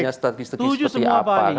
strategi strategi seperti apa tujuh semua pak